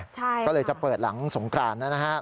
ก็เลยจะเปิดหลังสงกรานนะครับ